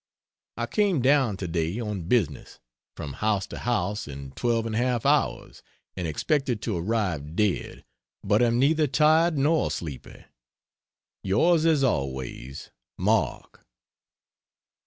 I came down today on business from house to house in 12 1/2 hours, and expected to arrive dead, but am neither tired nor sleepy. Yours as always MARK.